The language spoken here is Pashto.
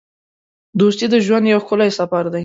دوستي د ژوند یو ښکلی سفر دی.